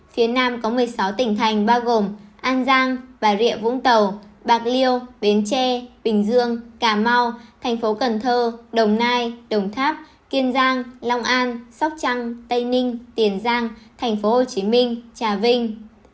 phía nam có một mươi sáu tỉnh thành bao gồm an giang bà rịa vũng tàu bạc liêu bến tre bình dương cà mau thành phố cần thơ đồng nai đồng tháp kiên giang long an sóc trăng tây ninh tiền giang tp hcm trà vinh